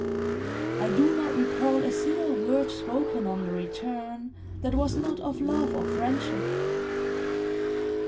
I do not recall a single word spoken on the return that was not of love or friendship.